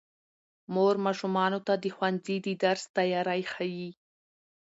مور ماشومانو ته د ښوونځي د درس تیاری ښيي